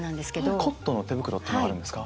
コットンの手袋っていうのがあるんですか。